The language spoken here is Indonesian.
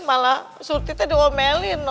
malah surti tadi omelin